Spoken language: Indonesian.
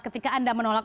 ketika anda menolak